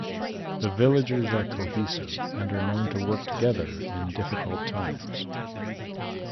The villagers are cohesive and are known to work together in difficult times.